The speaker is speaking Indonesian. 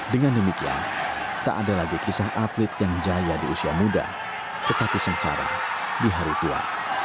dengan demikian tak ada lagi kisah atlet yang jaya di usia muda tetapi sengsara di hari tua